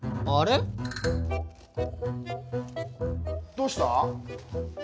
どうした？